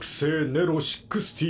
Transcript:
ネロ６６。